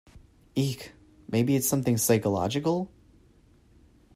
Eek! Maybe it’s something psychological?